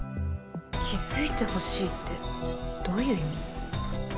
気づいてほしいってどういう意味？